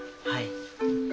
はい。